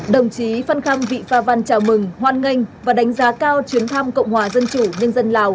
đồng chí phan khăm vị pha văn chào mừng hoan nghênh và đánh giá cao chuyến thăm cộng hòa dân chủ nhân dân lào